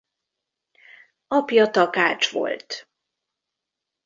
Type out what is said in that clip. Apja takács volt.